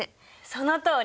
そのとおり！